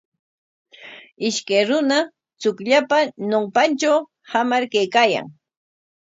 Ishkay runa chukllapa ñawpantraw hamar kaykaayan.